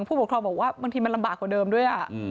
ผู้ปกครองบอกว่าบางทีมันลำบากกว่าเดิมด้วย